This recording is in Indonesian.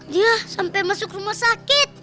dia sampai masuk rumah sakit